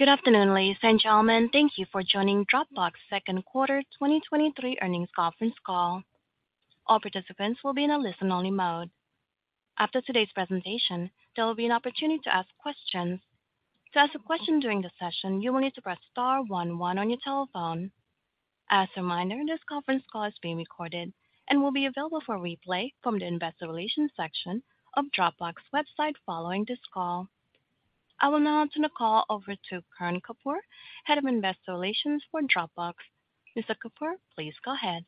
Good afternoon, ladies and gentlemen. Thank you for joining Dropbox second quarter 2023 earnings conference call. All participants will be in a listen-only mode. After today's presentation, there will be an opportunity to ask questions. To ask a question during the session, you will need to press star one one on your telephone. As a reminder, this conference call is being recorded and will be available for replay from the investor relations section of Dropbox's website following this call. I will now turn the call over to Karan Kapoor, Head of Investor Relations for Dropbox. Mr. Kapoor, please go ahead.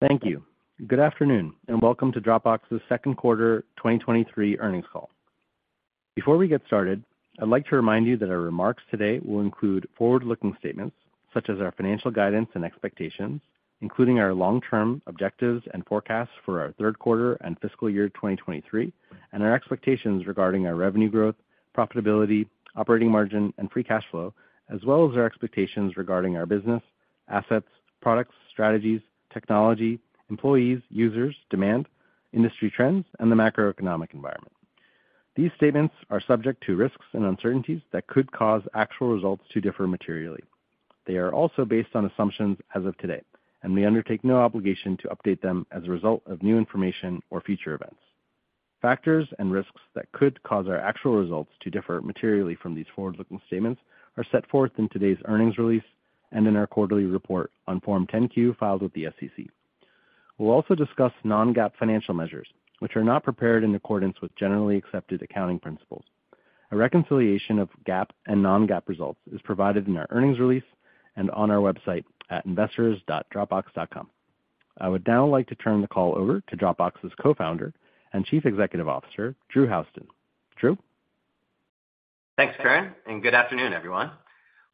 Thank you. Good afternoon, and welcome to Dropbox's second quarter 2023 earnings call. Before we get started, I'd like to remind you that our remarks today will include forward-looking statements, such as our financial guidance and expectations, including our long-term objectives and forecasts for our third quarter and fiscal year 2023, and our expectations regarding our revenue growth, profitability, operating margin, and free cash flow, as well as our expectations regarding our business, assets, products, strategies, technology, employees, users, demand, industry trends, and the macroeconomic environment. These statements are subject to risks and uncertainties that could cause actual results to differ materially. They are also based on assumptions as of today, and we undertake no obligation to update them as a result of new information or future events. Factors and risks that could cause our actual results to differ materially from these forward-looking statements are set forth in today's earnings release and in our quarterly report on Form 10-Q, filed with the SEC. We'll also discuss non-GAAP financial measures, which are not prepared in accordance with generally accepted accounting principles. A reconciliation of GAAP and non-GAAP results is provided in our earnings release and on our website at investors.dropbox.com. I would now like to turn the call over to Dropbox's Co-founder and Chief Executive Officer, Drew Houston. Drew? Thanks, Karan, good afternoon, everyone.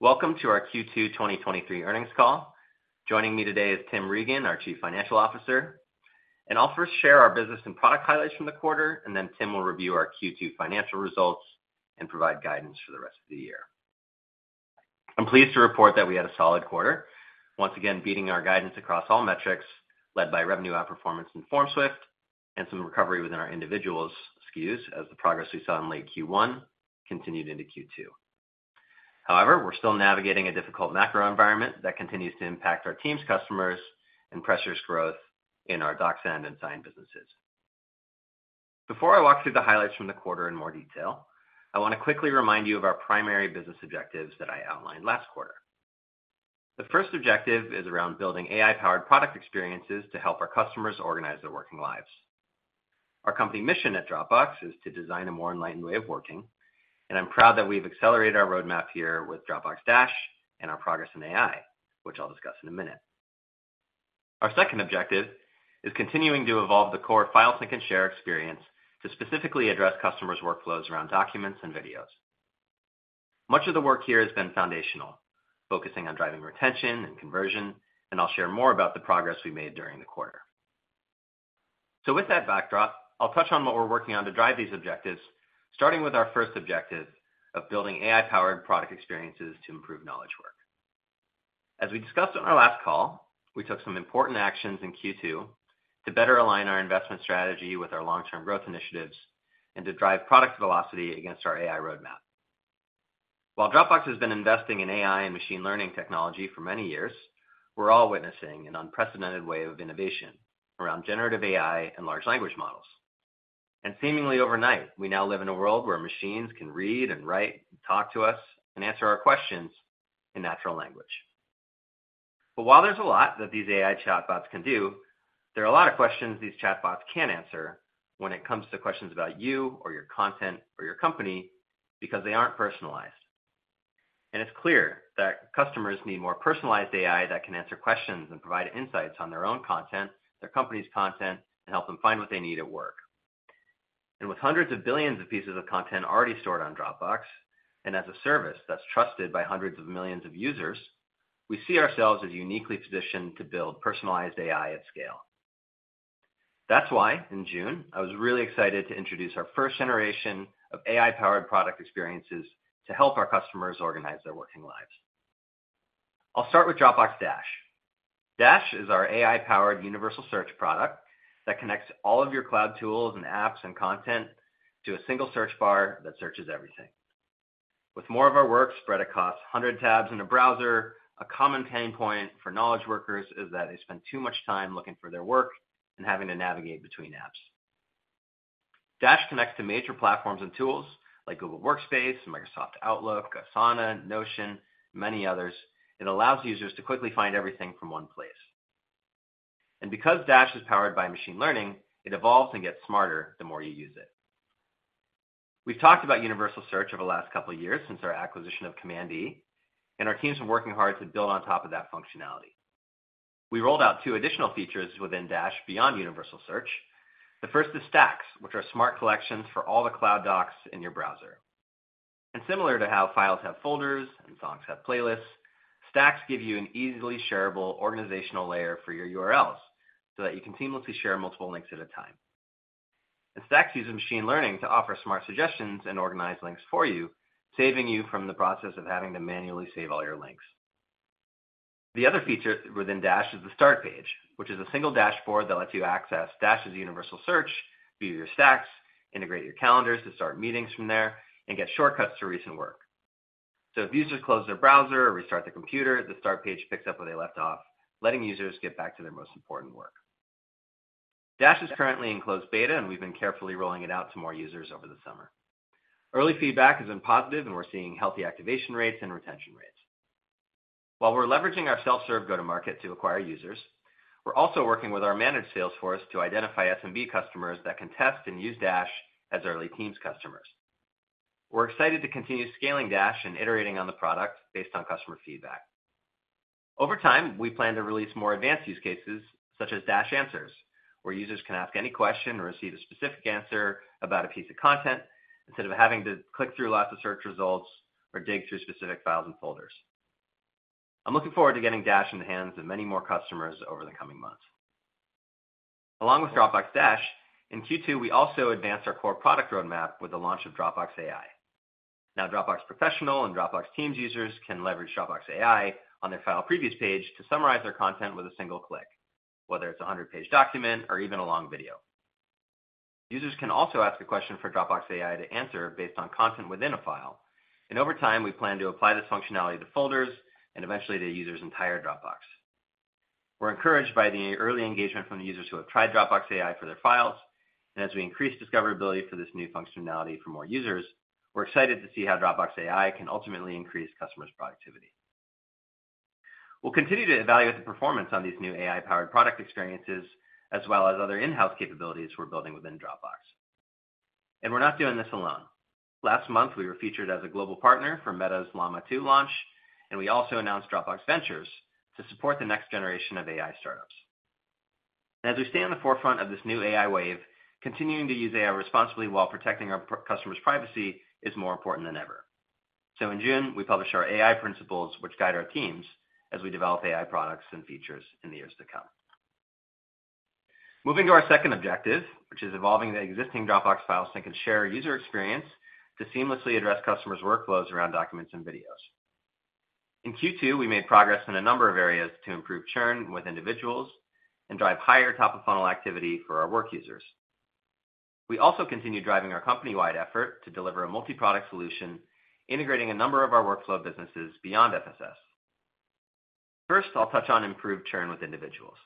Welcome to our Q2 2023 earnings call. Joining me today is Tim Regan, our Chief Financial Officer. I'll first share our business and product highlights from the quarter, and then Tim will review our Q2 financial results and provide guidance for the rest of the year. I'm pleased to report that we had a solid quarter, once again, beating our guidance across all metrics, led by revenue outperformance in FormSwift and some recovery within our individuals SKUs, as the progress we saw in late Q1 continued into Q2. However, we're still navigating a difficult macro environment that continues to impact our team's customers and pressures growth in our DocSend and Sign businesses. Before I walk through the highlights from the quarter in more detail, I want to quickly remind you of our primary business objectives that I outlined last quarter. The first objective is around building AI-powered product experiences to help our customers organize their working lives. Our company mission at Dropbox is to design a more enlightened way of working, and I'm proud that we've accelerated our roadmap here with Dropbox Dash and our progress in AI, which I'll discuss in a minute. Our second objective is continuing to evolve the core file, sync, and share experience to specifically address customers' workflows around documents and videos. Much of the work here has been foundational, focusing on driving retention and conversion, and I'll share more about the progress we made during the quarter. With that backdrop, I'll touch on what we're working on to drive these objectives, starting with our first objective of building AI-powered product experiences to improve knowledge work. As we discussed on our last call, we took some important actions in Q2 to better align our investment strategy with our long-term growth initiatives and to drive product velocity against our AI roadmap. While Dropbox has been investing in AI and machine learning technology for many years, we're all witnessing an unprecedented wave of innovation around generative AI and large language models. Seemingly overnight, we now live in a world where machines can read and write and talk to us and answer our questions in natural language. While there's a lot that these AI chatbots can do, there are a lot of questions these chatbots can't answer when it comes to questions about you or your content or your company, because they aren't personalized. It's clear that customers need more personalized AI that can answer questions and provide insights on their own content, their company's content, and help them find what they need at work. With hundreds of billions of pieces of content already stored on Dropbox, and as a service that's trusted by hundreds of millions of users, we see ourselves as uniquely positioned to build personalized AI at scale. That's why, in June, I was really excited to introduce our first generation of AI-powered product experiences to help our customers organize their working lives. I'll start with Dropbox Dash. Dash is our AI-powered universal search product that connects all of your cloud tools and apps and content to a single search bar that searches everything. With more of our work spread across 100 tabs in a browser, a common pain point for knowledge workers is that they spend too much time looking for their work and having to navigate between apps. Dash connects to major platforms and tools like Google Workspace, Microsoft Outlook, Asana, Notion, and many others, and allows users to quickly find everything from one place. Because Dash is powered by machine learning, it evolves and gets smarter the more you use it. We've talked about universal search over the last couple of years since our acquisition of Command E, and our teams are working hard to build on top of that functionality. We rolled out two additional features within Dash beyond universal search. The first is Stacks, which are smart collections for all the cloud docs in your browser. Similar to how files have folders and songs have playlists, Stacks give you an easily shareable organizational layer for your URLs, so that you can seamlessly share multiple links at a time. Stacks uses machine learning to offer smart suggestions and organize links for you, saving you from the process of having to manually save all your links. The other feature within Dash is the start page, which is a single dashboard that lets you access Dash's universal search, view your Stacks, integrate your calendars to start meetings from there, and get shortcuts to recent work. If users close their browser or restart their computer, the start page picks up where they left off, letting users get back to their most important work. Dash is currently in closed beta, and we've been carefully rolling it out to more users over the summer. Early feedback has been positive, and we're seeing healthy activation rates and retention rates. While we're leveraging our self-serve go-to-market to acquire users, we're also working with our managed sales force to identify SMB customers that can test and use Dash as early teams customers. We're excited to continue scaling Dash and iterating on the product based on customer feedback. Over time, we plan to release more advanced use cases, such as Dash Answers, where users can ask any question or receive a specific answer about a piece of content, instead of having to click through lots of search results or dig through specific files and folders. I'm looking forward to getting Dash in the hands of many more customers over the coming months. Along with Dropbox Dash, in Q2, we also advanced our core product roadmap with the launch of Dropbox AI. Now, Dropbox Professional and Dropbox Teams users can leverage Dropbox AI on their file previews page to summarize their content with a single click, whether it's a 100-page document or even a long video. Over time, we plan to apply this functionality to folders and eventually to users' entire Dropbox. As we increase discoverability for this new functionality for more users, we're excited to see how Dropbox AI can ultimately increase customers' productivity. We'll continue to evaluate the performance on these new AI-powered product experiences, as well as other in-house capabilities we're building within Dropbox. We're not doing this alone. Last month, we were featured as a global partner for Meta's Llama 2 launch, and we also announced Dropbox Ventures to support the next generation of AI startups. As we stay on the forefront of this new AI wave, continuing to use AI responsibly while protecting our customers' privacy is more important than ever. In June, we published our AI principles, which guide our teams as we develop AI products and features in the years to come. Moving to our second objective, which is evolving the existing Dropbox files sync and share user experience to seamlessly address customers' workflows around documents and videos. In Q2, we made progress in a number of areas to improve churn with individuals and drive higher top-of-funnel activity for our work users. We also continued driving our company-wide effort to deliver a multi-product solution, integrating a number of our workflow businesses beyond FSS. First, I'll touch on improved churn with individuals.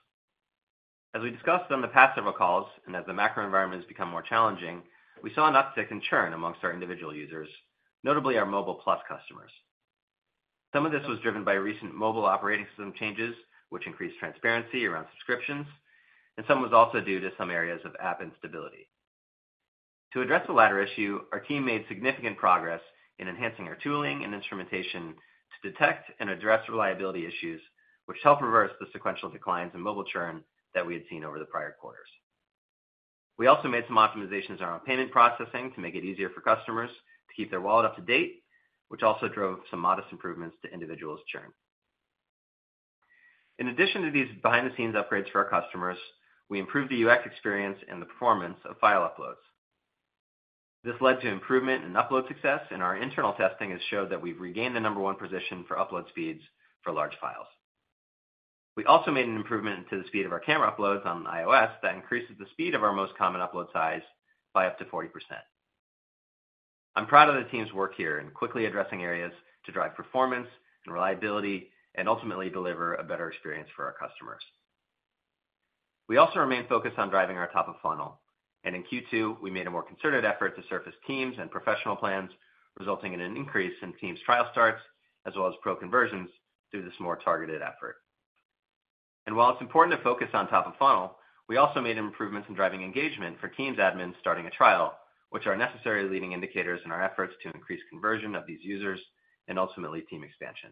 As we discussed on the past several calls, and as the macro environment has become more challenging, we saw an uptick in churn amongst our individual users, notably our Mobile Plus customers. Some of this was driven by recent mobile operating system changes, which increased transparency around subscriptions, and some was also due to some areas of app instability. To address the latter issue, our team made significant progress in enhancing our tooling and instrumentation to detect and address reliability issues, which helped reverse the sequential declines in mobile churn that we had seen over the prior quarters. We also made some optimizations around payment processing to make it easier for customers to keep their wallet up to date, which also drove some modest improvements to individuals churn. In addition to these behind-the-scenes upgrades for our customers, we improved the UX experience and the performance of file uploads. This led to improvement in upload success, and our internal testing has showed that we've regained the number one position for upload speeds for large files. We also made an improvement to the speed of our camera uploads on iOS that increases the speed of our most common upload size by up to 40%. I'm proud of the team's work here in quickly addressing areas to drive performance and reliability and ultimately deliver a better experience for our customers. We also remain focused on driving our top of funnel, and in Q2, we made a more concerted effort to surface teams and professional plans, resulting in an increase in teams trial starts, as well as Pro conversions through this more targeted effort. While it's important to focus on top of funnel, we also made improvements in driving engagement for teams admins starting a trial, which are necessary leading indicators in our efforts to increase conversion of these users and ultimately team expansion.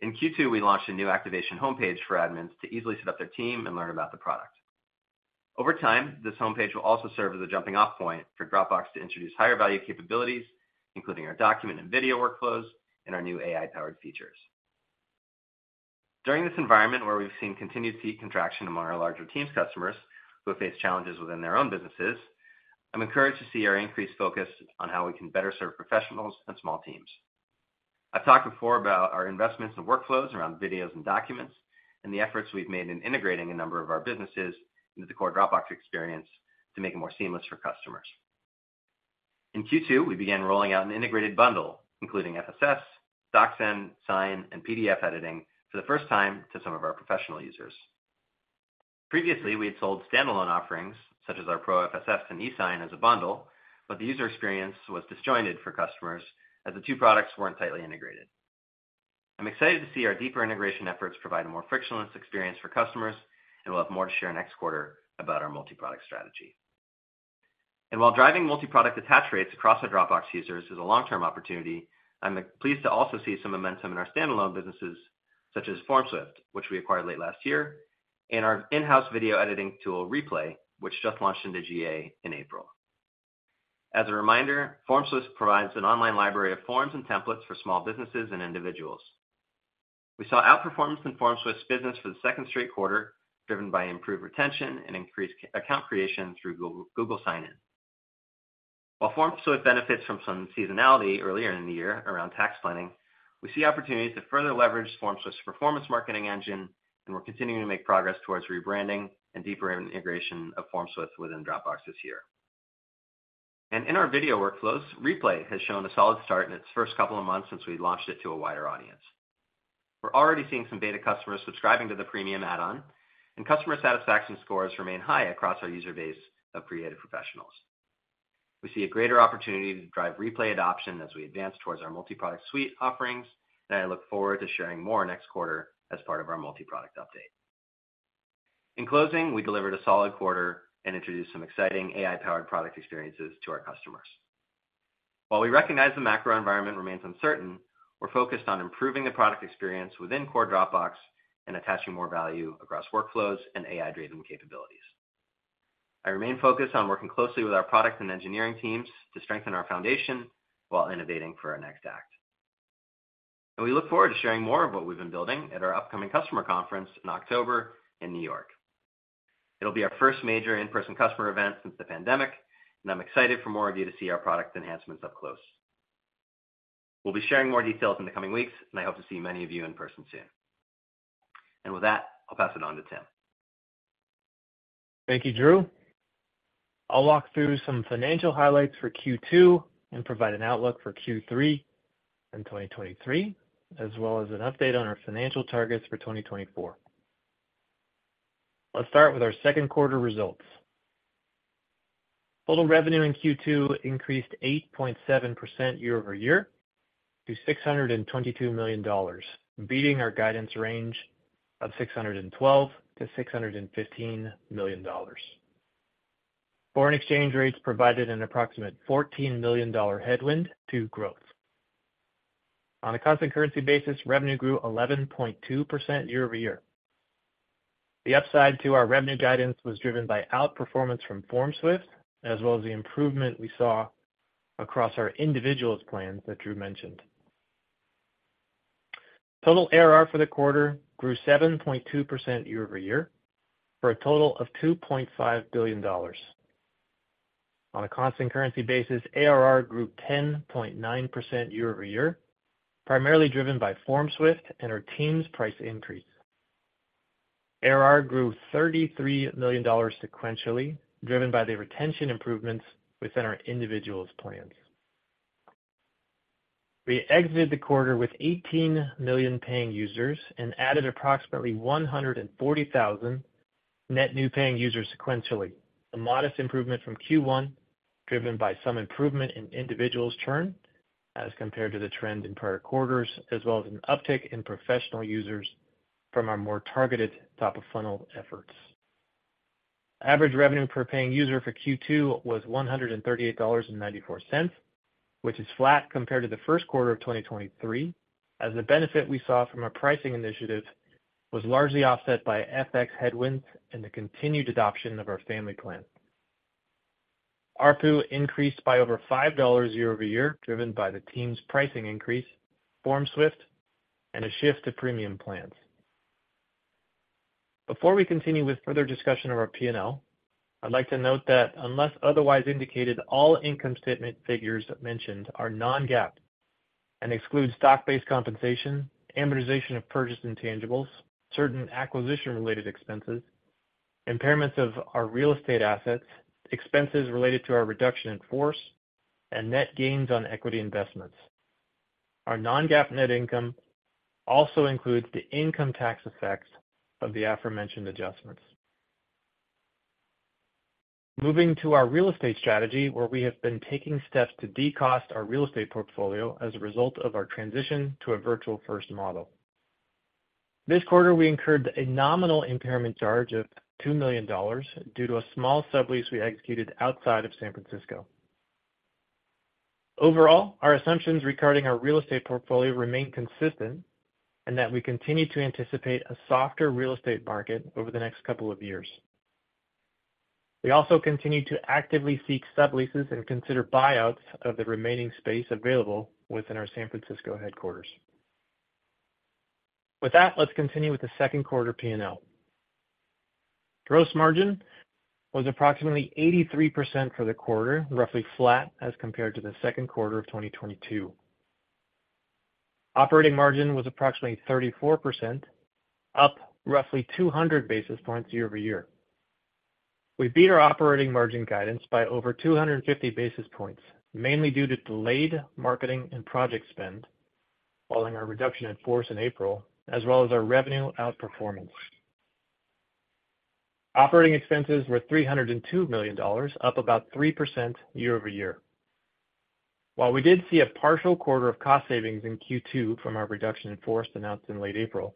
In Q2, we launched a new activation homepage for admins to easily set up their team and learn about the product. Over time, this homepage will also serve as a jumping-off point for Dropbox to introduce higher value capabilities, including our document and video workflows and our new AI-powered features. During this environment, where we've seen continued fee contraction among our larger teams customers, who have faced challenges within their own businesses, I'm encouraged to see our increased focus on how we can better serve professionals and small teams. I've talked before about our investments and workflows around videos and documents, and the efforts we've made in integrating a number of our businesses into the core Dropbox experience to make it more seamless for customers. In Q2, we began rolling out an integrated bundle, including FSS, DocSend, Sign, and PDF editing for the first time to some of our professional users. Previously, we had sold standalone offerings such as our Pro FSS and eSign as a bundle, but the user experience was disjointed for customers as the two products weren't tightly integrated. I'm excited to see our deeper integration efforts provide a more frictionless experience for customers, and we'll have more to share next quarter about our multi-product strategy. While driving multi-product attach rates across our Dropbox users is a long-term opportunity, I'm pleased to also see some momentum in our standalone businesses, such as FormSwift, which we acquired late last year, and our in-house video editing tool, Replay, which just launched into GA in April. As a reminder, FormSwift provides an online library of forms and templates for small businesses and individuals. We saw outperformance in FormSwift's business for the second straight quarter, driven by improved retention and increased account creation through Google Sign-In. While FormSwift benefits from some seasonality earlier in the year around tax planning, we see opportunities to further leverage FormSwift's performance marketing engine, and we're continuing to make progress towards rebranding and deeper integration of FormSwift within Dropbox this year. In our video workflows, Replay has shown a solid start in its first couple of months since we launched it to a wider audience. We're already seeing some beta customers subscribing to the premium add-on, and customer satisfaction scores remain high across our user base of creative professionals. We see a greater opportunity to drive Replay adoption as we advance towards our multi-product suite offerings, and I look forward to sharing more next quarter as part of our multi-product update. In closing, we delivered a solid quarter and introduced some exciting AI-powered product experiences to our customers. While we recognize the macro environment remains uncertain, we're focused on improving the product experience within core Dropbox and attaching more value across workflows and AI-driven capabilities. I remain focused on working closely with our product and engineering teams to strengthen our foundation while innovating for our next act, we look forward to sharing more of what we've been building at our upcoming customer conference in October in New York. It'll be our first major in-person customer event since the pandemic, I'm excited for more of you to see our product enhancements up close. We'll be sharing more details in the coming weeks, I hope to see many of you in person soon. With that, I'll pass it on to Tim. Thank you, Drew. I'll walk through some financial highlights for Q2 and provide an outlook for Q3 in 2023, as well as an update on our financial targets for 2024. Let's start with our second quarter results. Total revenue in Q2 increased 8.7% year-over-year to $622 million, beating our guidance range of $612 million-$615 million. Foreign exchange rates provided an approximate $14 million headwind to growth. On a constant currency basis, revenue grew 11.2% year-over-year. The upside to our revenue guidance was driven by outperformance from FormSwift, as well as the improvement we saw across our individuals plans that Drew mentioned. Total ARR for the quarter grew 7.2% year-over-year, for a total of $2.5 billion. On a constant currency basis, ARR grew 10.9% year-over-year, primarily driven by FormSwift and our team's price increase. ARR grew $33 million sequentially, driven by the retention improvements within our individuals plans. We exited the quarter with 18 million paying users and added approximately 140,000 net new paying users sequentially, a modest improvement from Q1, driven by some improvement in individuals churn as compared to the trend in prior quarters, as well as an uptick in professional users from our more targeted top-of-funnel efforts. Average revenue per paying user for Q2 was $138.94, which is flat compared to the first quarter of 2023, as the benefit we saw from our pricing initiative was largely offset by FX headwinds and the continued adoption of our family plan. ARPU increased by over $5 year-over-year, driven by the team's pricing increase, FormSwift, and a shift to premium plans. Before we continue with further discussion of our P&L, I'd like to note that, unless otherwise indicated, all income statement figures mentioned are non-GAAP and exclude stock-based compensation, amortization of purchased intangibles, certain acquisition-related expenses, impairments of our real estate assets, expenses related to our reduction in force, and net gains on equity investments. Our non-GAAP net income also includes the income tax effects of the aforementioned adjustments. Moving to our real estate strategy, where we have been taking steps to decost our real estate portfolio as a result of our transition to a Virtual First model. This quarter, we incurred a nominal impairment charge of $2 million due to a small sublease we executed outside of San Francisco. Overall, our assumptions regarding our real estate portfolio remain consistent, that we continue to anticipate a softer real estate market over the next 2 years. We also continue to actively seek subleases and consider buyouts of the remaining space available within our San Francisco headquarters. With that, let's continue with the 2Q P&L. Gross margin was approximately 83% for the quarter, roughly flat as compared to the 2Q of 2022. Operating margin was approximately 34%, up roughly 200 basis points year-over-year. We beat our operating margin guidance by over 250 basis points, mainly due to delayed marketing and project spend following our reduction in force in April, as well as our revenue outperformance. Operating expenses were $302 million, up about 3% year-over-year. While we did see a partial quarter of cost savings in Q2 from our reduction in force announced in late April,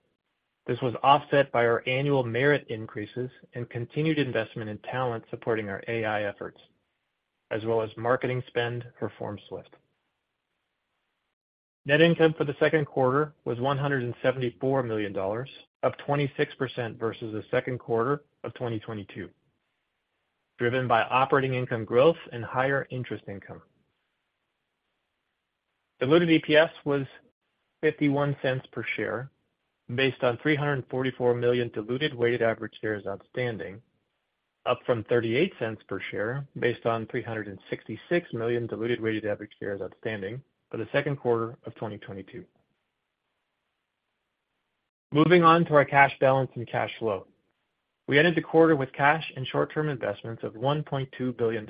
this was offset by our annual merit increases and continued investment in talent supporting our AI efforts, as well as marketing spend for FormSwift. Net income for the second quarter was $174 million, up 26% versus the second quarter of 2022, driven by operating income growth and higher interest income. Diluted EPS was $0.51 per share, based on 344 million diluted weighted average shares outstanding, up from $0.38 per share based on 366 million diluted weighted average shares outstanding for the second quarter of 2022. Moving on to our cash balance and cash flow. We ended the quarter with cash and short-term investments of $1.2 billion.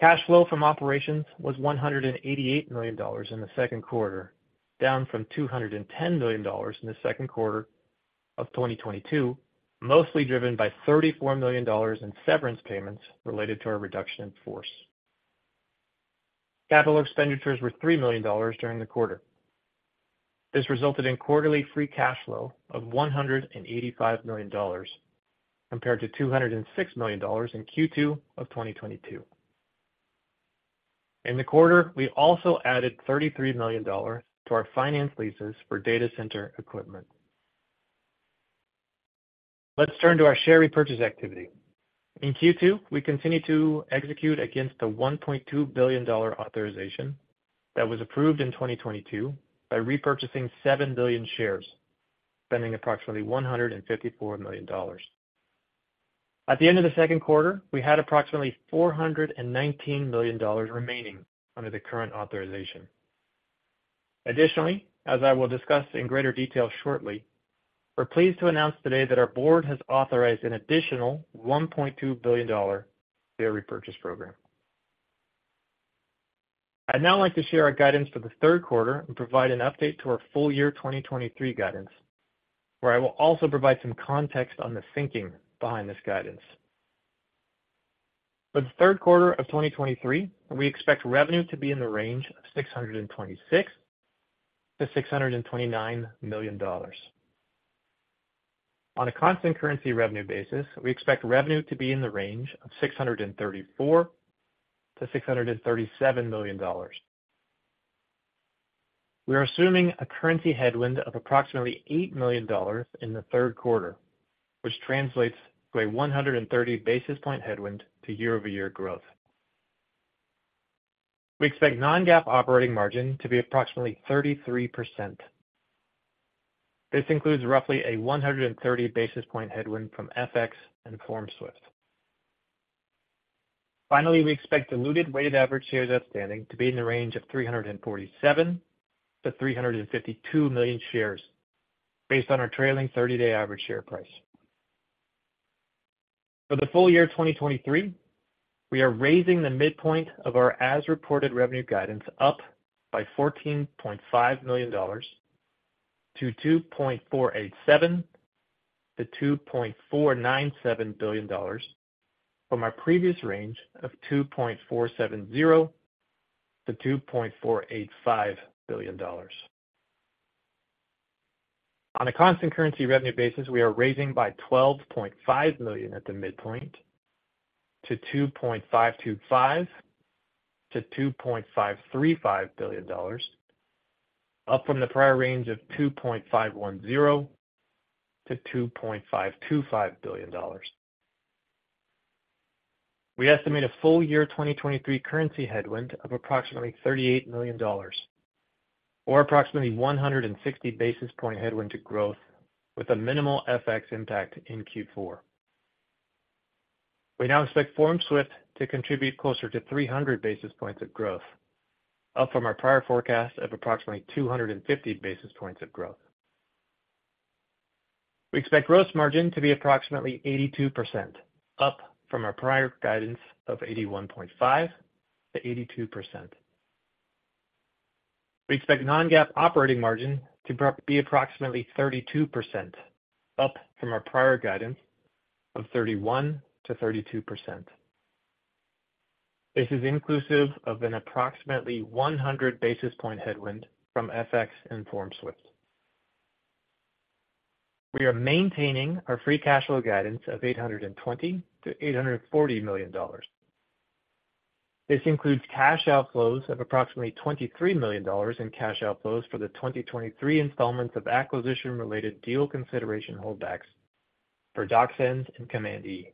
Cash flow from operations was $188 million in the second quarter, down from $210 million in the second quarter of 2022, mostly driven by $34 million in severance payments related to our reduction in force. Capital expenditures were $3 million during the quarter. This resulted in quarterly free cash flow of $185 million, compared to $206 million in Q2 of 2022. In the quarter, we also added $33 million to our finance leases for data center equipment. Let's turn to our share repurchase activity. In Q2, we continued to execute against the $1.2 billion authorization that was approved in 2022 by repurchasing 7 billion shares, spending approximately $154 million. At the end of the second quarter, we had approximately $419 million remaining under the current authorization. Additionally, as I will discuss in greater detail shortly, we're pleased to announce today that our board has authorized an additional $1.2 billion share repurchase program. I'd now like to share our guidance for the third quarter and provide an update to our full year 2023 guidance, where I will also provide some context on the thinking behind this guidance. For the third quarter of 2023, we expect revenue to be in the range of $626 million-$629 million. On a constant currency revenue basis, we expect revenue to be in the range of $634 million-$637 million. We are assuming a currency headwind of approximately $8 million in the third quarter, which translates to a 130 basis point headwind to year-over-year growth. We expect non-GAAP operating margin to be approximately 33%. This includes roughly a 130 basis point headwind from FX and FormSwift. Finally, we expect diluted weighted average shares outstanding to be in the range of 347 million-352 million shares, based on our trailing 30-day average share price. For the full year 2023, we are raising the midpoint of our as-reported revenue guidance up by $14.5 million to $2.487 billion-$2.497 billion from our previous range of $2.470 billion-$2.485 billion. On a constant currency revenue basis, we are raising by $12.5 million at the midpoint to $2.525 billion-$2.535 billion, up from the prior range of $2.510 billion-$2.525 billion. We estimate a full year 2023 currency headwind of approximately $38 million, or approximately 160 basis point headwind to growth, with a minimal FX impact in Q4. We now expect FormSwift to contribute closer to 300 basis points of growth, up from our prior forecast of approximately 250 basis points of growth. We expect gross margin to be approximately 82%, up from our prior guidance of 81.5%-82%. We expect non-GAAP operating margin to be approximately 32%, up from our prior guidance of 31%-32%. This is inclusive of an approximately 100 basis point headwind from FX and FormSwift. We are maintaining our free cash flow guidance of $820 million-$840 million. This includes cash outflows of approximately $23 million in cash outflows for the 2023 installments of acquisition-related deal consideration holdbacks for DocSend and Command E.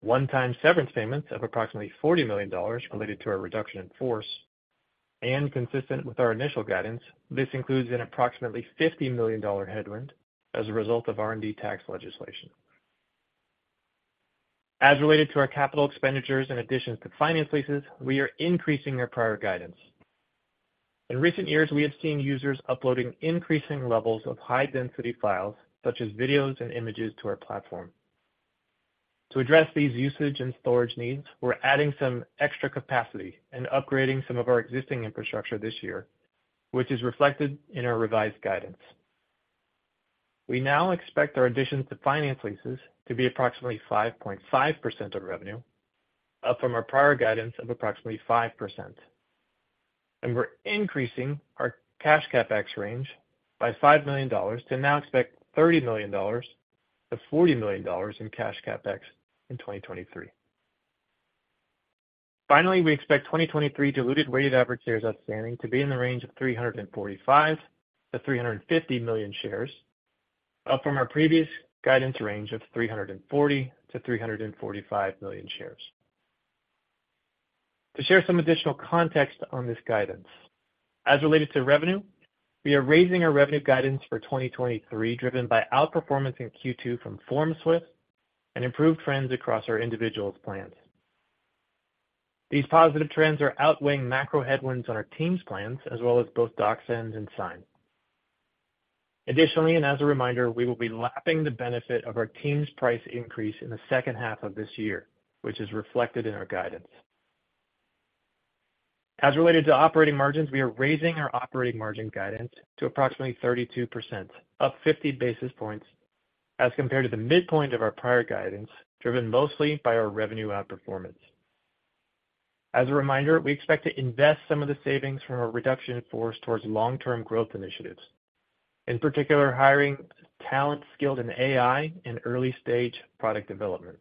One-time severance payments of approximately $40 million related to our reduction in force and consistent with our initial guidance. This includes an approximately $50 million headwind as a result of R&D tax legislation. As related to our capital expenditures and additions to finance leases, we are increasing our prior guidance. In recent years, we have seen users uploading increasing levels of high-density files, such as videos and images, to our platform. To address these usage and storage needs, we're adding some extra capacity and upgrading some of our existing infrastructure this year, which is reflected in our revised guidance. We now expect our additions to finance leases to be approximately 5.5% of revenue, up from our prior guidance of approximately 5%, and we're increasing our cash CapEx range by $5 million to now expect $30 million-$40 million in cash CapEx in 2023. Finally, we expect 2023 diluted weighted average shares outstanding to be in the range of 345 million-350 million shares, up from our previous guidance range of 340 million-345 million shares. To share some additional context on this guidance, as related to revenue, we are raising our revenue guidance for 2023, driven by outperformance in Q2 from FormSwift and improved trends across our individuals plans. These positive trends are outweighing macro headwinds on our Teams plans, as well as both DocSend and Sign. Additionally, as a reminder, we will be lapping the benefit of our Teams price increase in the second half of this year, which is reflected in our guidance. As related to operating margins, we are raising our operating margin guidance to approximately 32%, up 50 basis points as compared to the midpoint of our prior guidance, driven mostly by our revenue outperformance. As a reminder, we expect to invest some of the savings from our reduction in force towards long-term growth initiatives, in particular, hiring talent skilled in AI and early-stage product development.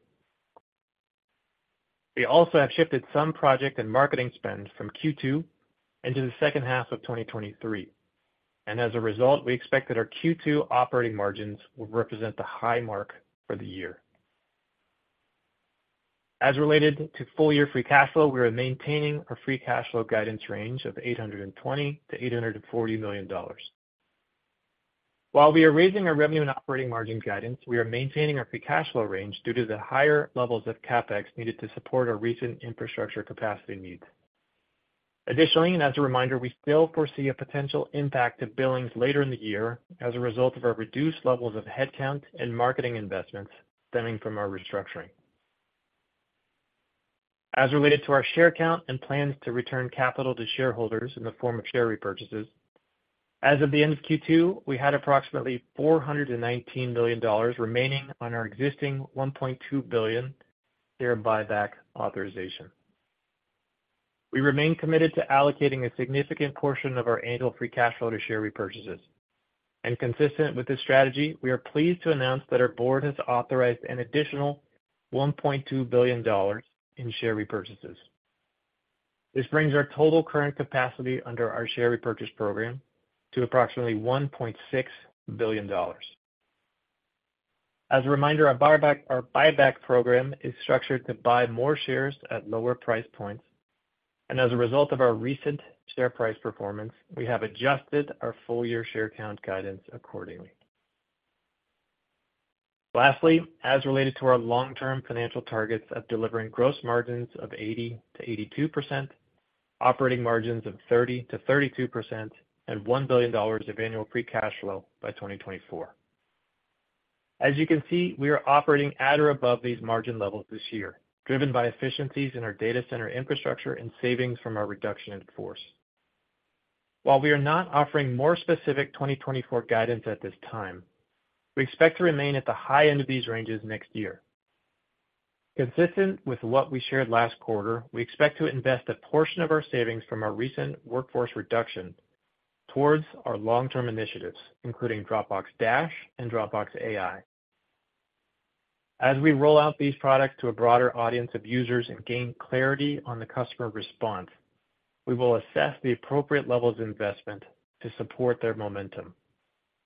We also have shifted some project and marketing spend from Q2 into the second half of 2023. As a result, we expect that our Q2 operating margins will represent the high mark for the year. As related to full year free cash flow, we are maintaining our free cash flow guidance range of $820 million-$840 million. While we are raising our revenue and operating margin guidance, we are maintaining our free cash flow range due to the higher levels of CapEx needed to support our recent infrastructure capacity needs. Additionally, as a reminder, we still foresee a potential impact to billings later in the year as a result of our reduced levels of headcount and marketing investments stemming from our restructuring. As related to our share count and plans to return capital to shareholders in the form of share repurchases, as of the end of Q2, we had approximately $419 million remaining on our existing $1.2 billion share buyback authorization. We remain committed to allocating a significant portion of our annual free cash flow to share repurchases. Consistent with this strategy, we are pleased to announce that our board has authorized an additional $1.2 billion in share repurchases. This brings our total current capacity under our share repurchase program to approximately $1.6 billion. As a reminder, our buyback program is structured to buy more shares at lower price points, and as a result of our recent share price performance, we have adjusted our full year share count guidance accordingly. Lastly, as related to our long-term financial targets of delivering gross margins of 80%-82%, operating margins of 30%-32%, and $1 billion of annual free cash flow by 2024. As you can see, we are operating at or above these margin levels this year, driven by efficiencies in our data center infrastructure and savings from our reduction in force. While we are not offering more specific 2024 guidance at this time, we expect to remain at the high end of these ranges next year. Consistent with what we shared last quarter, we expect to invest a portion of our savings from our recent workforce reduction towards our long-term initiatives, including Dropbox Dash and Dropbox AI. As we roll out these products to a broader audience of users and gain clarity on the customer response, we will assess the appropriate levels of investment to support their momentum,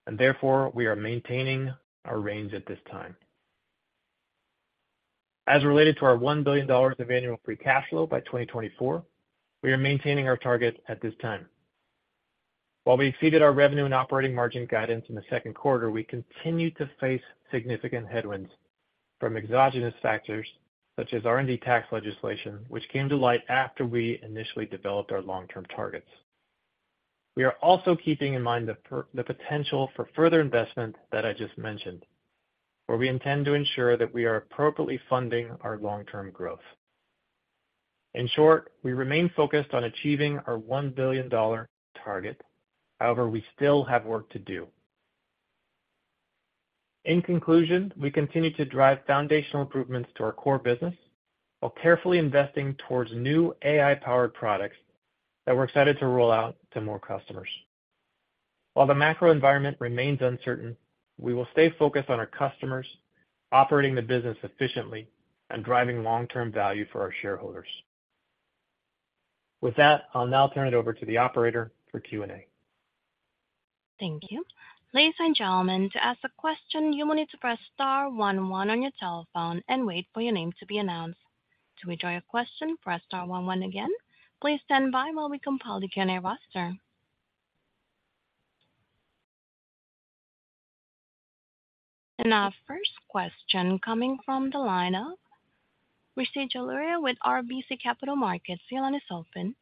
and therefore, we are maintaining our range at this time. As related to our $1 billion of annual free cash flow by 2024, we are maintaining our target at this time. While we exceeded our revenue and operating margin guidance in the second quarter, we continue to face significant headwinds from exogenous factors such as R&D tax legislation, which came to light after we initially developed our long-term targets. We are also keeping in mind the potential for further investment that I just mentioned, where we intend to ensure that we are appropriately funding our long-term growth. In short, we remain focused on achieving our $1 billion target. However, we still have work to do. In conclusion, we continue to drive foundational improvements to our core business while carefully investing towards new AI-powered products that we're excited to roll out to more customers. While the macro environment remains uncertain, we will stay focused on our customers, operating the business efficiently, and driving long-term value for our shareholders. With that, I'll now turn it over to the Operator for Q&A. Thank you. Ladies and gentlemen, to ask a question, you will need to press star one one on your telephone and wait for your name to be announced. To withdraw your question, press star one one again. Please stand by while we compile the Q&A roster. Our first question coming from the line of Rishi Jaluria with RBC Capital Markets. The line is open.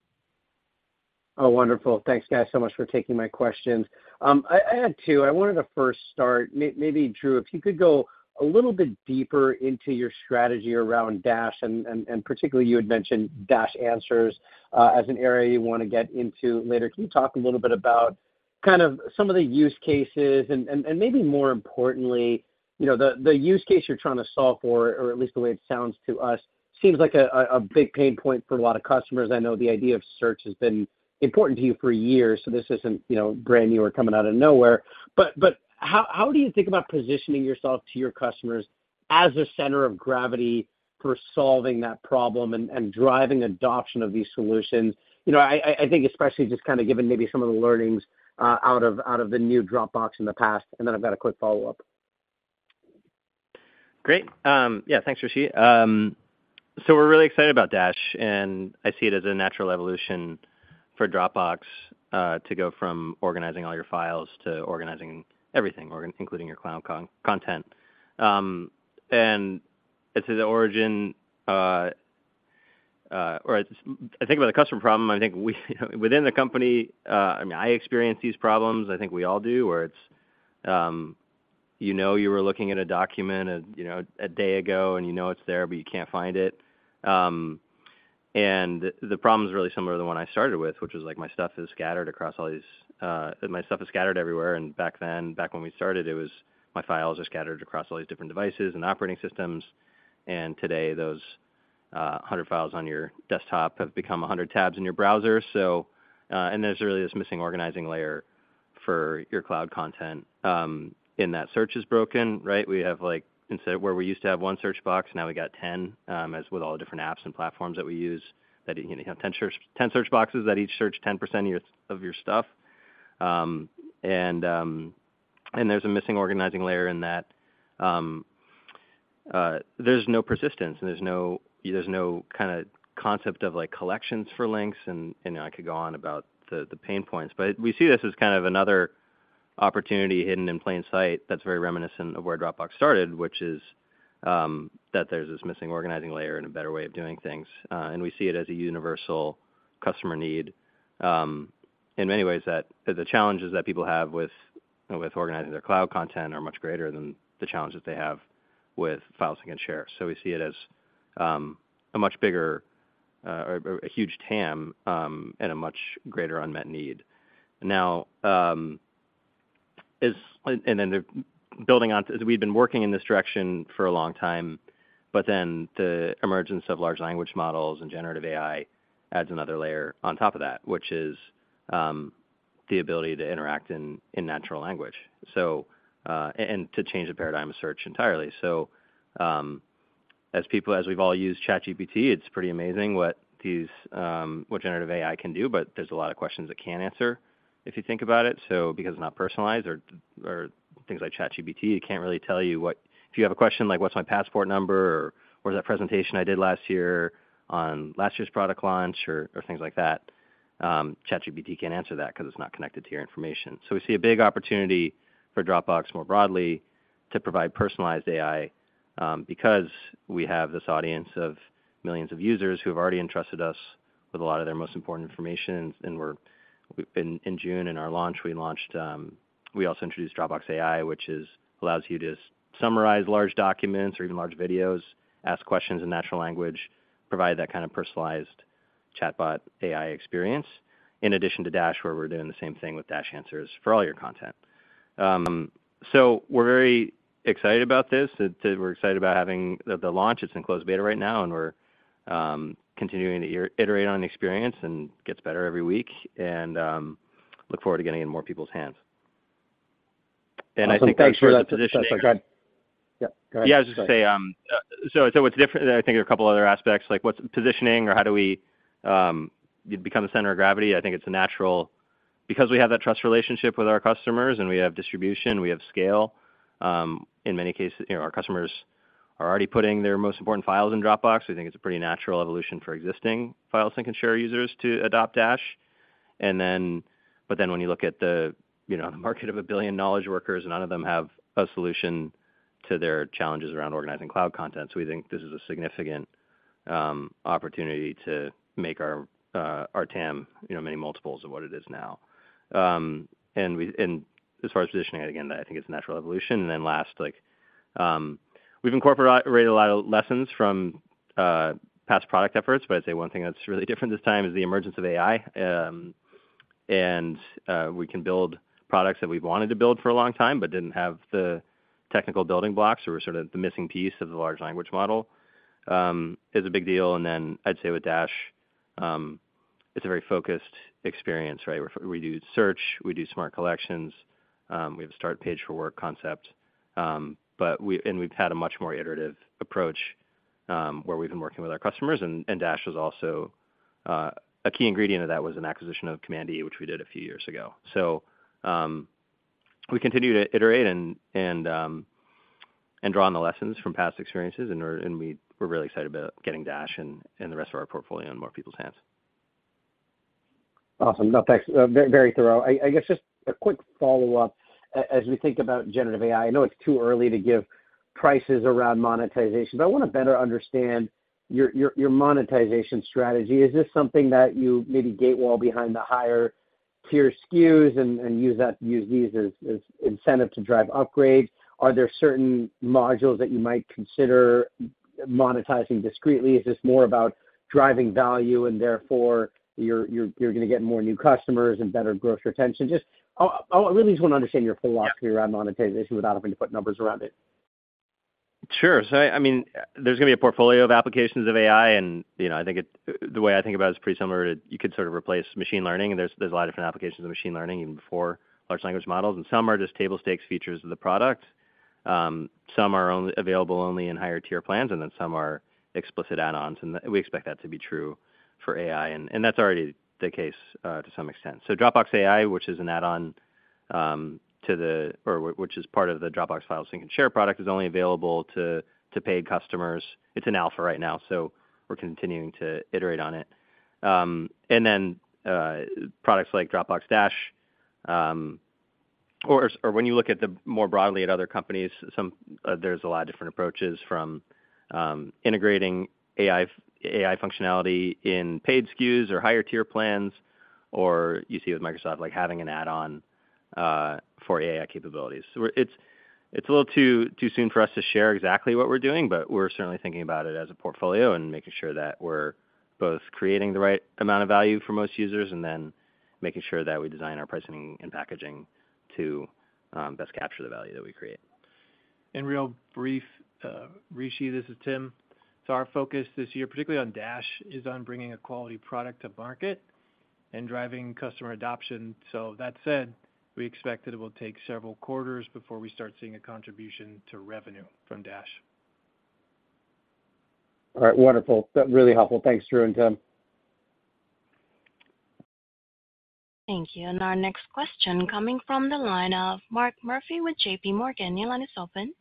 Oh, wonderful. Thanks, guys, so much for taking my questions. I, I had two. I wanted to first start, maybe, Drew, if you could go a little bit deeper into your strategy around Dash, and, and, and particularly you had mentioned Dash Answers, as an area you want to get into later. Can you talk a little bit about kind of some of the use cases and, and, and maybe more importantly, you know, the, the use case you're trying to solve for, or at least the way it sounds to us, seems like a, a, a big pain point for a lot of customers. I know the idea of search has been important to you for years, so this isn't, you know, brand new or coming out of nowhere. How do you think about positioning yourself to your customers? as a center of gravity for solving that problem and, and driving adoption of these solutions? You know, I, I, I think especially just kind of given maybe some of the learnings out of, out of the new Dropbox in the past, and then I've got a quick follow-up. Great. Yeah, thanks, Rishi. We're really excited about Dash, and I see it as a natural evolution for Dropbox, to go from organizing all your files to organizing everything, including your cloud content. I'd say the origin, or I think about the customer problem, I think we, within the company, I mean, I experience these problems, I think we all do, where it's, you know you were looking at a document, you know, a day ago, and you know it's there, but you can't find it. The problem is really similar to the one I started with, which was, like, my stuff is scattered across all these, my stuff is scattered everywhere, and back then, back when we started, it was my files are scattered across all these different devices and operating systems. Today, those 100 files on your desktop have become 100 tabs in your browser. There's really this missing organizing layer for your cloud content. In that search is broken, right? We have like instead, where we used to have one search box, now we got 10, as with all the different apps and platforms that we use, that, you know, you have 10 search, 10 search boxes that each search 10% of your, of your stuff. There's a missing organizing layer in that. There's no persistence, and there's no, there's no kinda concept of like, collections for links. I could go on about the, the pain points, but we see this as kind of another opportunity hidden in plain sight that's very reminiscent of where Dropbox started, which is, that there's this missing organizing layer and a better way of doing things. We see it as a universal customer need. In many ways that, the challenges that people have with, with organizing their cloud content are much greater than the challenges they have with files they can share. We see it as, a much bigger, or, a huge TAM, and a much greater unmet need. Now, as... Then the building on, we've been working in this direction for a long time, but then the emergence of large language models and generative AI adds another layer on top of that, which is the ability to interact in, in natural language and to change the paradigm of search entirely. As people, as we've all used ChatGPT, it's pretty amazing what these what generative AI can do, but there's a lot of questions it can't answer, if you think about it. Because it's not personalized or, or things like ChatGPT, it can't really tell you. If you have a question like: What's my passport number? Or, Where's that presentation I did last year on last year's product launch? Or, or things like that, ChatGPT can't answer that 'cause it's not connected to your information. We see a big opportunity for Dropbox more broadly, to provide personalized AI, because we have this audience of millions of users who have already entrusted us with a lot of their most important information. We've been in June, in our launch, we launched, we also introduced Dropbox AI, which allows you to summarize large documents or even large videos, ask questions in natural language, provide that kind of personalized chatbot AI experience, in addition to Dash, where we're doing the same thing with Dash Answers for all your content. We're very excited about this. We're excited about having the, the launch. It's in closed beta right now, and we're continuing to iterate on the experience, and it gets better every week, and look forward to getting in more people's hands. I think I'm sure that. Yeah, go ahead. Yeah, I was just going to say, so, so what's different? I think there are a couple other aspects, like what's the positioning or how do we become the center of gravity? I think it's a natural... Because we have that trust relationship with our customers and we have distribution, we have scale, in many cases, you know, our customers are already putting their most important files in Dropbox. We think it's a pretty natural evolution for existing file sync and share users to adopt Dash. When you look at the, you know, the market of 1 billion knowledge workers, none of them have a solution to their challenges around organizing cloud content. We think this is a significant opportunity to make our TAM, you know, many multiples of what it is now. As far as positioning, again, I think it's a natural evolution. Then last, like, we've incorporated a lot of lessons from past product efforts, but I'd say one thing that's really different this time is the emergence of AI. We can build products that we've wanted to build for a long time but didn't have the technical building blocks, or sort of the missing piece of the large language model, is a big deal. Then I'd say with Dash, it's a very focused experience, right? We do search, we do smart collections, we have a start page for work concept. We've had a much more iterative approach, where we've been working with our customers, and Dash was also a key ingredient of that was an acquisition of Command E, which we did a few years ago. We continue to iterate and draw on the lessons from past experiences, and we're really excited about getting Dash and the rest of our portfolio in more people's hands. Awesome. No, thanks. very thorough. I, I guess just a quick follow-up. As we think about generative AI, I know it's too early to give prices around monetization, I want to better understand your, your, your monetization strategy. Is this something that you maybe paywall behind the higher tier SKUs and, and use that, use these as, as incentive to drive upgrades? Are there certain modules that you might consider monetizing discreetly? Is this more about driving value and therefore you're, you're, you're going to get more new customers and better gross retention? I, I really just want to understand your philosophy around monetization without having to put numbers around it. Sure. I mean, there's going to be a portfolio of applications of AI, and, you know, the way I think about it is pretty similar to, you could sort of replace machine learning, and there's a lot of different applications of machine learning, even before large language models, and some are just table stakes features of the product. Some are only available only in higher tier plans. Then some are explicit add-ons. We expect that to be true for AI. That's already the case to some extent. Dropbox AI, which is an add-on or which is part of the Dropbox File Sync and Share product, is only available to paid customers. It's in alpha right now, so we're continuing to iterate on it. Then, products like Dropbox Dash, or, or when you look at the, more broadly at other companies, some, there's a lot of different approaches, from, integrating AI AI functionality in paid SKUs or higher tier plans, or you see it with Microsoft, like, having an add-on, for AI capabilities. It's, it's a little too, too soon for us to share exactly what we're doing, but we're certainly thinking about it as a portfolio and making sure that we're both creating the right amount of value for most users and then making sure that we design our pricing and packaging to, best capture the value that we create. In real brief, Rishi, this is Tim. Our focus this year, particularly on Dash, is on bringing a quality product to market and driving customer adoption. That said, we expect that it will take several quarters before we start seeing a contribution to revenue from Dash. All right. Wonderful. That's really helpful. Thanks, Drew and Tim. Thank you. Our next question coming from the line of Mark Murphy with J.P. Morgan. Your line is open.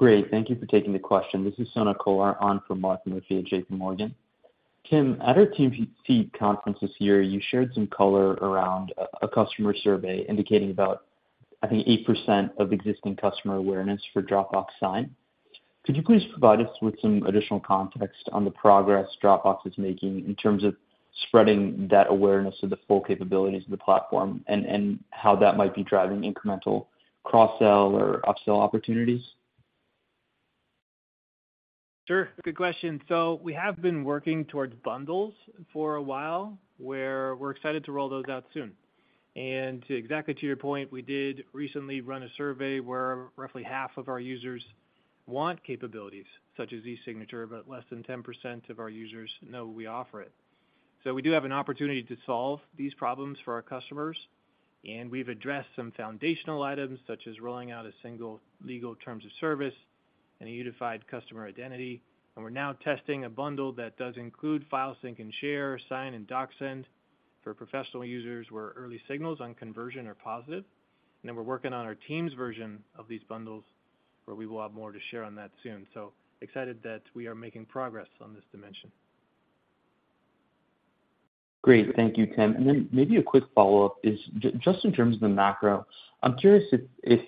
Great. Thank you for taking the question. This is Sonak Kolar on for Mark Murphy at J.P. Morgan. Tim, at our [TMC] conference this year, you shared some color around a customer survey indicating about, I think, 8% of existing customer awareness for Dropbox Sign. Could you please provide us with some additional context on the progress Dropbox is making in terms of spreading that awareness of the full capabilities of the platform, and how that might be driving incremental cross-sell or upsell opportunities? Sure, good question. We have been working towards Bundles for a while, where we're excited to roll those out soon. Exactly to your point, we did recently run a survey where roughly half of our users want capabilities such as eSignature, but less than 10% of our users know we offer it. We do have an opportunity to solve these problems for our customers, and we've addressed some foundational items, such as rolling out a single legal terms of service and a unified customer identity. We're now testing a Bundle that does include File Sync and Share, Sign, and DocSend for Professional users, where early signals on conversion are positive. We're working on our Teams version of these Bundles, where we will have more to share on that soon. Excited that we are making progress on this dimension. Thank you, Tim. Then maybe a quick follow-up is, just in terms of the macro, I'm curious if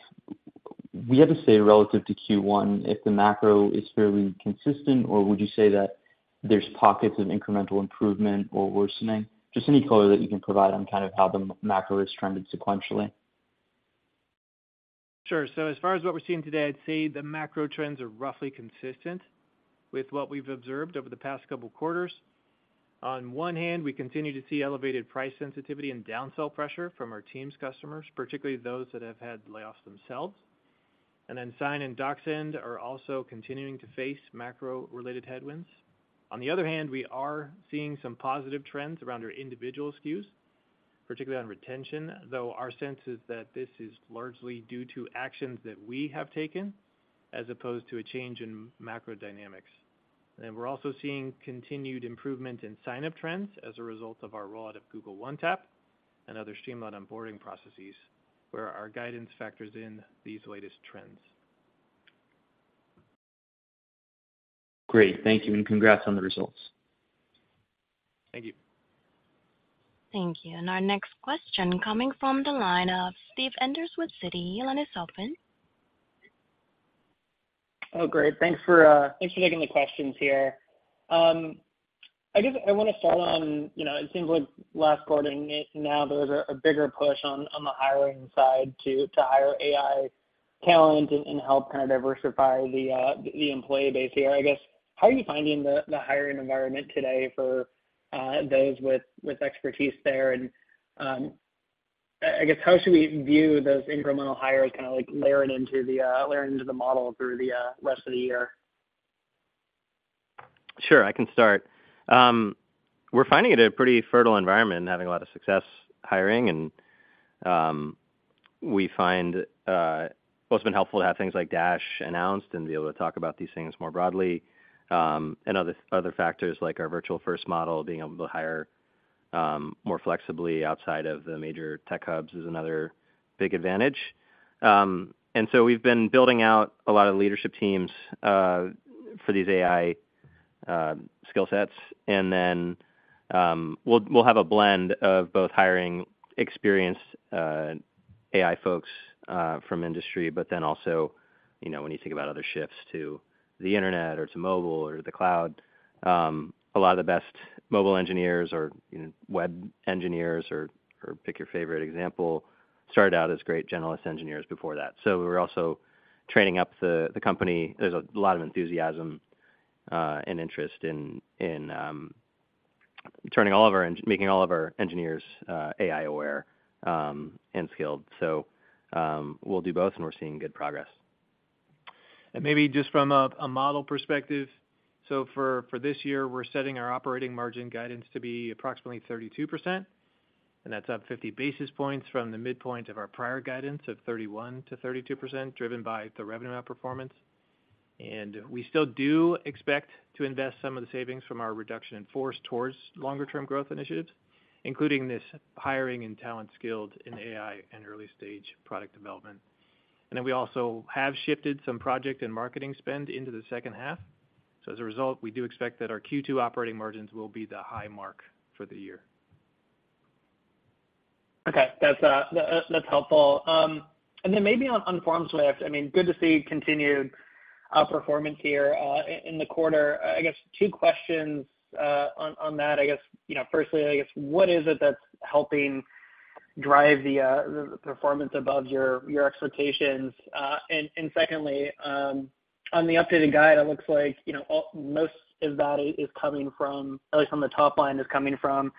we had to say relative to Q1, if the macro is fairly consistent, or would you say that there's pockets of incremental improvement or worsening? Just any color that you can provide on kind of how the macro has trended sequentially. Sure. As far as what we're seeing today, I'd say the macro trends are roughly consistent with what we've observed over the past couple quarters. On one hand, we continue to see elevated price sensitivity and down-sell pressure from our teams customers, particularly those that have had layoffs themselves. Sign and DocSend are also continuing to face macro-related headwinds. On the other hand, we are seeing some positive trends around our individual SKUs, particularly on retention, though our sense is that this is largely due to actions that we have taken as opposed to a change in macro dynamics. We're also seeing continued improvement in sign-up trends as a result of our rollout of Google One Tap and other streamlined onboarding processes, where our guidance factors in these latest trends. Great. Thank you. Congrats on the results. Thank you. Thank you. Our next question coming from the line of Steve Enders with Citi. Your line is open. Oh, great. Thanks for taking the questions here. I just, I want to follow on, you know, it seems like last quarter and now, there was a bigger push on the hiring side to hire AI talent and help kind of diversify the employee base here. I guess, how are you finding the hiring environment today for those with expertise there? And, I guess, how should we view those incremental hires, kind of like, layer it into the model through the rest of the year? Sure, I can start. We're finding it a pretty fertile environment and having a lot of success hiring. And, we find, well, it's been helpful to have things like Dash announced and be able to talk about these things more broadly. And other, other factors like our Virtual First model, being able to hire more flexibly outside of the major tech hubs is another big advantage. And so we've been building out a lot of leadership teams for these AI skill sets. We'll, we'll have a blend of both hiring experienced AI folks from industry, but then also, you know, when you think about other shifts to the internet or to mobile or the cloud, a lot of the best mobile engineers or, you know, web engineers, or, or pick your favorite example, started out as great generalist engineers before that. We're also training up the, the company. There's a lot of enthusiasm and interest in, in turning all of our engineers, making all of our engineers AI-aware and skilled. We'll do both, and we're seeing good progress. Maybe just from a model perspective, for this year, we're setting our operating margin guidance to be approximately 32%, and that's up 50 basis points from the midpoint of our prior guidance of 31%-32%, driven by the revenue outperformance. We still do expect to invest some of the savings from our reduction in force towards longer-term growth initiatives, including this hiring and talent skilled in AI and early-stage product development. Then we also have shifted some project and marketing spend into the second half. As a result, we do expect that our Q2 operating margins will be the high mark for the year. Okay, that's that, that's helpful. Then maybe on, on FormSwift, I mean, good to see continued performance here in the quarter. I guess two questions on, on that. I guess, you know, firstly, I guess, what is it that's helping drive the performance above your, your expectations? Secondly, on the updated guide, it looks like, you know, most of that is coming from, at least from the top line, is coming from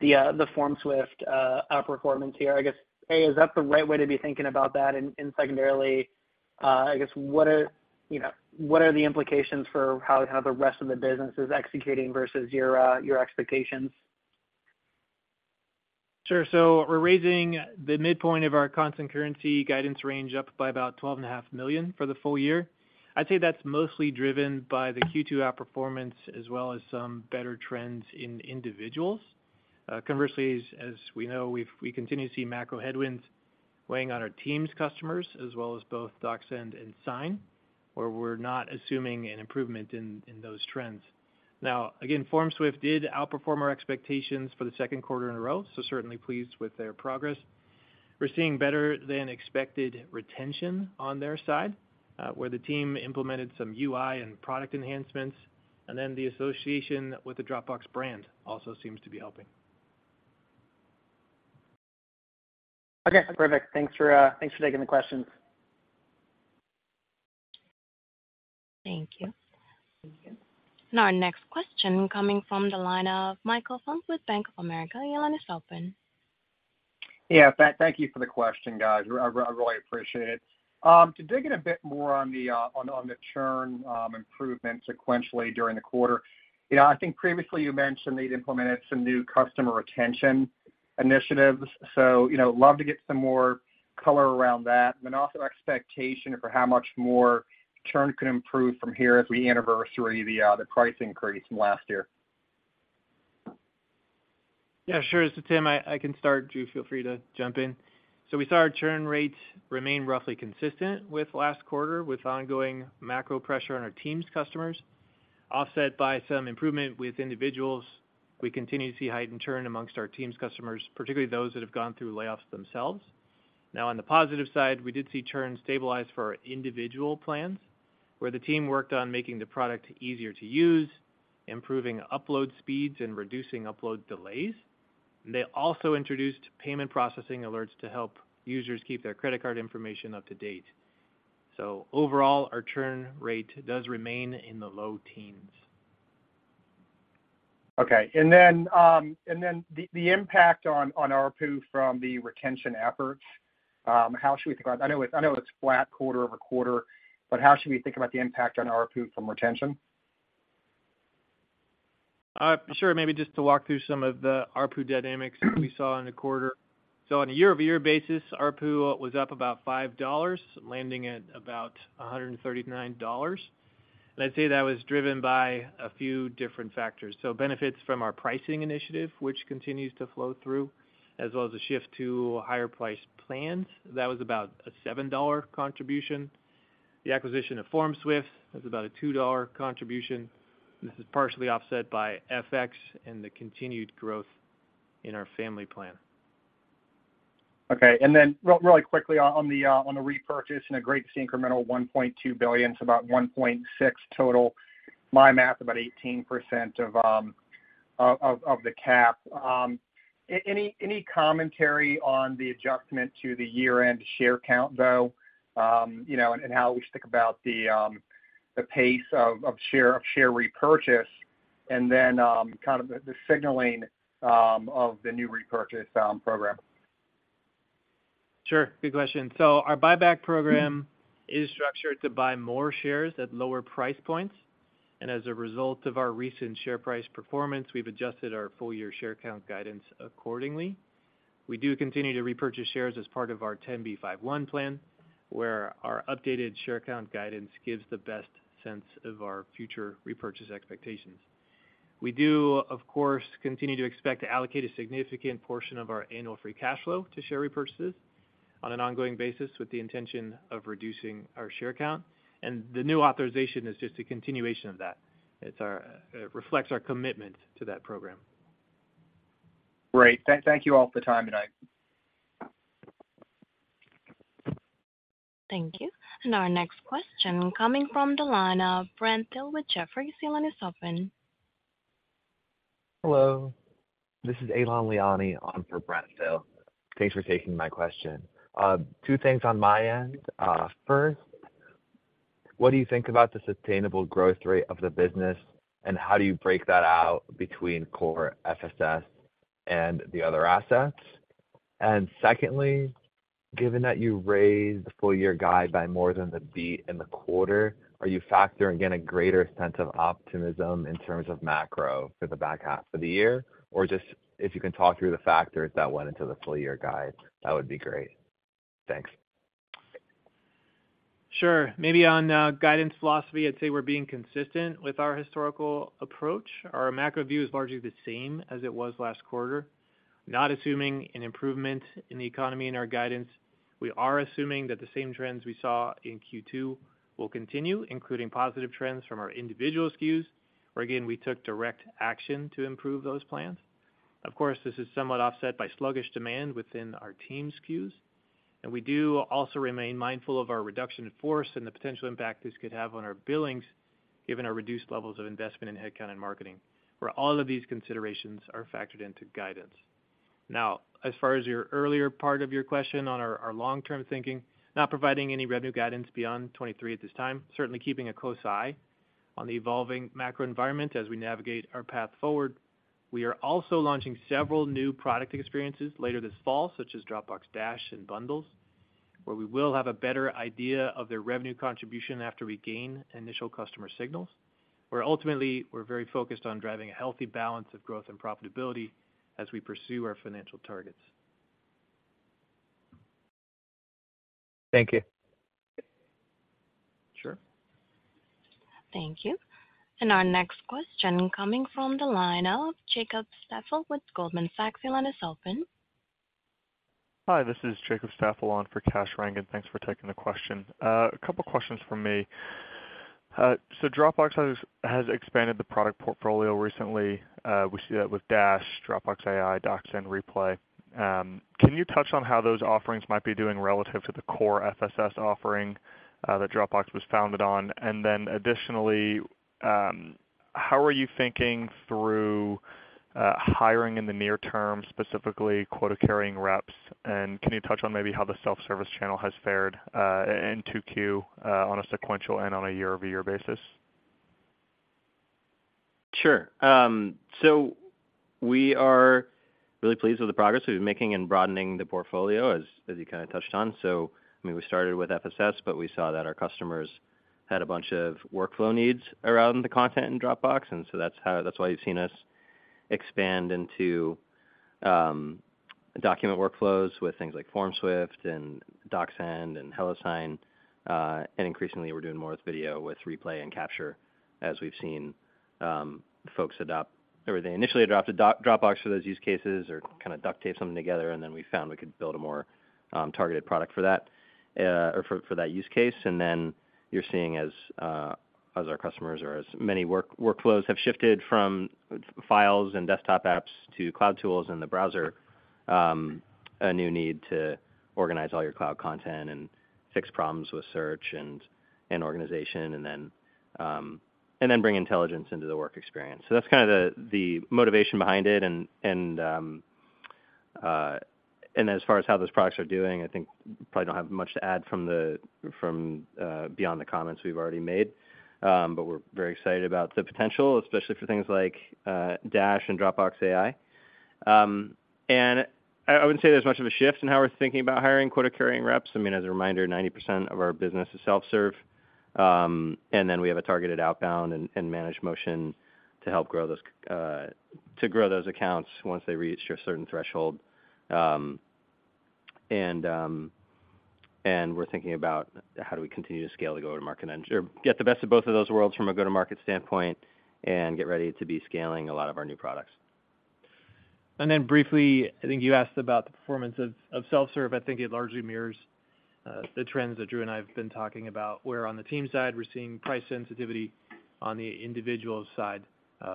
the FormSwift outperformance here. I guess, A, is that the right way to be thinking about that? Secondarily, I guess, what are, you know, what are the implications for how, how the rest of the business is executing versus your expectations? Sure. We're raising the midpoint of our constant currency guidance range up by about $12.5 million for the full year. I'd say that's mostly driven by the Q2 outperformance, as well as some better trends in individuals. Conversely, as we know, we've, we continue to see macro headwinds weighing on our Teams customers, as well as both DocSend and Sign, where we're not assuming an improvement in those trends. Now, again, FormSwift did outperform our expectations for the second quarter in a row, so certainly pleased with their progress. We're seeing better-than-expected retention on their side, where the team implemented some UI and product enhancements, and then the association with the Dropbox brand also seems to be helping. Okay, perfect. Thanks for, thanks for taking the questions. Thank you. Thank you. Our next question coming from the line of Michael Funk with Bank of America, your line is open. Yeah, thank you for the question, guys. I really appreciate it. To dig in a bit more on the churn improvement sequentially during the quarter, you know, I think previously you mentioned that you'd implemented some new customer retention initiatives. You know, love to get some more color around that, and then also expectation for how much more churn could improve from here as we anniversary the price increase from last year. Yeah, sure. Tim, I, I can start. Drew, feel free to jump in. We saw our churn rates remain roughly consistent with last quarter, with ongoing macro pressure on our Teams customers, offset by some improvement with individuals. We continue to see heightened churn amongst our Teams customers, particularly those that have gone through layoffs themselves. Now, on the positive side, we did see churn stabilize for our individual plans, where the team worked on making the product easier to use, improving upload speeds, and reducing upload delays. They also introduced payment processing alerts to help users keep their credit card information up to date. Overall, our churn rate does remain in the low teens. Okay. The impact on ARPU from the retention efforts, how should we think about... I know it's, I know it's flat quarter-over-quarter, but how should we think about the impact on ARPU from retention? Sure. Maybe just to walk through some of the ARPU dynamics that we saw in the quarter. On a year-over-year basis, ARPU was up about $5, landing at about $139. I'd say that was driven by a few different factors. Benefits from our pricing initiative, which continues to flow through, as well as a shift to higher-priced plans. That was about a $7 contribution. The acquisition of FormSwift, that's about a $2 contribution. This is partially offset by FX and the continued growth in our family plan. Okay. Then re-really quickly on, on the on the repurchase and a great incremental $1.2 billion, so about $1.6 total. My math, about 18% of of of the cap. Any, any commentary on the adjustment to the year-end share count, though, you know, and how we think about the pace of of share, of share repurchase, and then kind of the the signaling of the new repurchase program? Sure. Good question. Our buyback program is structured to buy more shares at lower price points. As a result of our recent share price performance, we've adjusted our full year share count guidance accordingly. We do continue to repurchase shares as part of our 10b5-1 Plan, where our updated share count guidance gives the best sense of our future repurchase expectations. We do, of course, continue to expect to allocate a significant portion of our annual free cash flow to share repurchases on an ongoing basis with the intention of reducing our share count, and the new authorization is just a continuation of that. It's our, reflects our commitment to that program. Great. Thank you all for the time tonight. Thank you. Our next question coming from the line of Brent Thill with Jefferies. Your line is open. Hello, this is Eylon Liani on for Brent Thill. Thanks for taking my question. Two things on my end. First, what do you think about the sustainable growth rate of the business, and how do you break that out between core FSS and the other assets? Secondly, given that you raised the full year guide by more than the beat in the quarter, are you factoring in a greater sense of optimism in terms of macro for the back half of the year? Or just if you can talk through the factors that went into the full year guide, that would be great? Thanks. Sure. Maybe on guidance philosophy, I'd say we're being consistent with our historical approach. Our macro view is largely the same as it was last quarter, not assuming an improvement in the economy in our guidance. We are assuming that the same trends we saw in Q2 will continue, including positive trends from our individual SKUs, where again, we took direct action to improve those plans. Of course, this is somewhat offset by sluggish demand within our team SKUs, and we do also remain mindful of our reduction in force and the potential impact this could have on our billings, given our reduced levels of investment in headcount and marketing, where all of these considerations are factored into guidance. As far as your earlier part of your question on our, our long-term thinking, not providing any revenue guidance beyond 2023 at this time, certainly keeping a close eye on the evolving macro environment as we navigate our path forward. We are also launching several new product experiences later this fall, such as Dropbox Dash and Bundles, where we will have a better idea of their revenue contribution after we gain initial customer signals, where ultimately, we're very focused on driving a healthy balance of growth and profitability as we pursue our financial targets. Thank you. Sure. Thank you. Our next question coming from the line of Jacob Staffel with Goldman Sachs. Your line is open. Hi, this is Jacob Staffel on for Kash Rangan. Thanks for taking the question. A couple questions from me. Dropbox has expanded the product portfolio recently. We see that with Dash, Dropbox AI, Docs and Replay. Can you touch on how those offerings might be doing relative to the core FSS offering that Dropbox was founded on? Then additionally, how are you thinking through hiring in the near term, specifically quota-carrying reps? Can you touch on maybe how the self-service channel has fared in 2Q on a sequential and on a year-over-year basis? Sure. We are really pleased with the progress we've been making in broadening the portfolio, as, as you kind of touched on. I mean, we started with FSS, but we saw that our customers had a bunch of workflow needs around the content in Dropbox, and that's how -- that's why you've seen us expand into document workflows with things like FormSwift and DocSend and HelloSign. And increasingly, we're doing more with video, with Replay and Capture, as we've seen folks adopt, or they initially adopted Dropbox for those use cases or kind of duct tape something together, and then we found we could build a more targeted product for that, or for, for that use case. Then you're seeing as our customers or as many workflows have shifted from files and desktop apps to cloud tools in the browser, a new need to organize all your cloud content and fix problems with search and organization, then bring intelligence into the work experience. That's kind of the motivation behind it. As far as how those products are doing, I think probably don't have much to add from the, from beyond the comments we've already made. We're very excited about the potential, especially for things like Dash and Dropbox AI. I wouldn't say there's much of a shift in how we're thinking about hiring quota-carrying reps. I mean, as a reminder, 90% of our business is self-serve. We have a targeted outbound and, and managed motion to help grow those, to grow those accounts once they reach a certain threshold. We're thinking about how do we continue to scale the go-to-market and, or get the best of both of those worlds from a go-to-market standpoint and get ready to be scaling a lot of our new products. Briefly, I think you asked about the performance of, of self-serve. I think it largely mirrors, the trends that Drew and I have been talking about, where on the team side, we're seeing price sensitivity. On the individual side,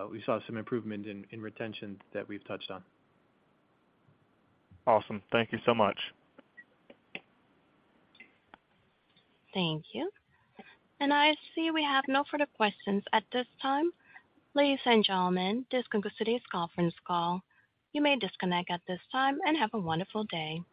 we saw some improvement in, in retention that we've touched on. Awesome. Thank you so much. Thank you. I see we have no further questions at this time. Ladies and gentlemen, this concludes today's conference call. You may disconnect at this time, and have a wonderful day.